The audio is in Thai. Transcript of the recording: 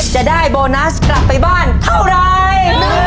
จะได้โบนัสกลับไปบ้านเท่าไร